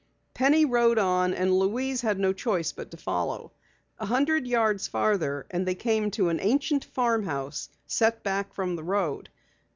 Penny rode on and Louise had no choice but to follow. A hundred yards farther on they came to an ancient farmhouse set back from the road.